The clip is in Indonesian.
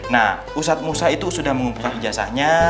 nah pusat musa itu sudah mengumpulkan ijazahnya